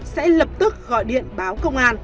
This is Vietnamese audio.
sẽ lập tức gọi điện báo